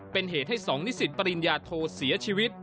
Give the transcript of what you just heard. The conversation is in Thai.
เป็นเหตุให้๒นิสิตปริญญาโทเสียชีวิต